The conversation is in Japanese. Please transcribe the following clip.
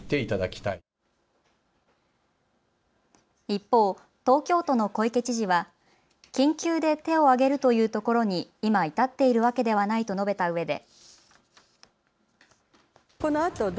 一方、東京都の小池知事は緊急で手を挙げるというところに今、至っているわけではないと述べたうえで。